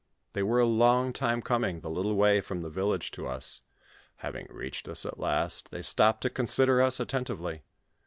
They were a long time coming the little way from the village to us. Having reached us at last, they stopped to consider us attentively.